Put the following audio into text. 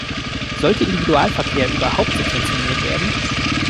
Sollte Individualverkehr überhaupt subventioniert werden?